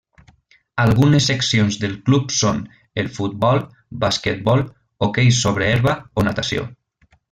Algunes seccions del club són el futbol, basquetbol, hoquei sobre herba o natació.